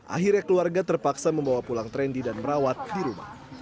akhirnya keluarga terpaksa membawa pulang trendy dan merawat di rumah